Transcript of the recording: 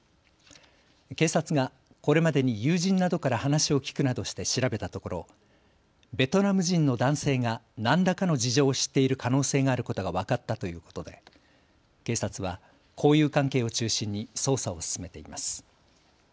警察がこれまでに友人などから話を聞くなどして調べたところベトナム人の男性が何らかの事情を知っている可能性があることが分かったということで警察は交友関係を中心に捜査を進めています。